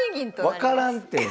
分からんて。